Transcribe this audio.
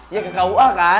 ya ke kua kan